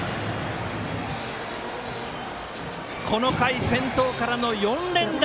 この回、先頭からの４連打！